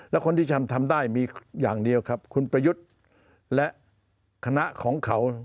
และคนที่ทำทำได้มีอย่างเดียวครับคุณประยุทธ์และคณะของเขา